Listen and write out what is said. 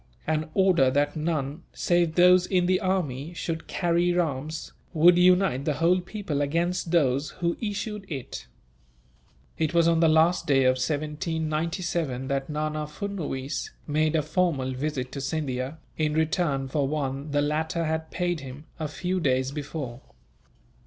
An order that none, save those in the army, should carry arms would unite the whole people against those who issued it." It was on the last day of 1797 that Nana Furnuwees made a formal visit to Scindia, in return for one the latter had paid him, a few days before.